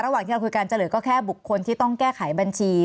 ระหว่างที่เราคุยกันจะเหลือก็แค่บุคคลที่ต้องแก้ไขบัญชี